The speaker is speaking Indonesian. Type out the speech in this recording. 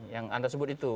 yang anda sebut itu